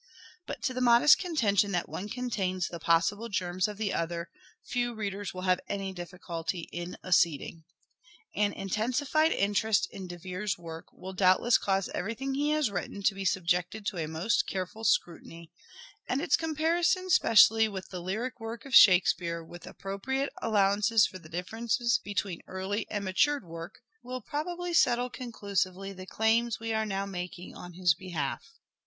But, to the modest contention that one contains the possible germs of the other, few readers will have any difficulty in acceding. An intensified interest in De Vere's work will doubtless cause everything he has written to be subjected to a most careful scrutiny, and its com parison specially with the lyric work of Shakespeare with appropriate allowances for the differences between early and matured work will probably settle con clusively the claims we are now making on his behalf.